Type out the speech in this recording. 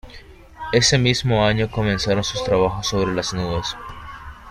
Ese mismo año comenzaron sus trabajos sobre las nubes.